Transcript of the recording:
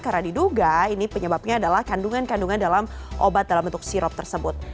karena diduga ini penyebabnya adalah kandungan kandungan dalam obat dalam bentuk sirop tersebut